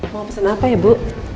mau pesan apa ya bu